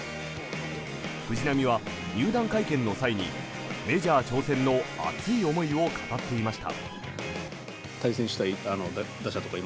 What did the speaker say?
藤浪は入団会見の際にメジャー挑戦の熱い思いを語っていました。